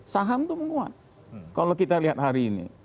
saham itu menguat kalau kita lihat hari ini